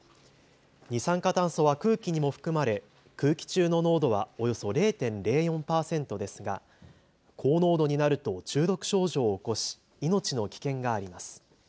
二酸化炭素は空気にも含まれ空気中の濃度はおよそ０．０４％ですが高濃度になると中毒症状を起こし命の危険があります。